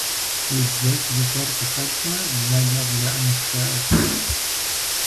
Уи бзэгу зыгуэр къыхэкӏмэ, бзаджэ къыбжаӏэнущ, жаӏэрт.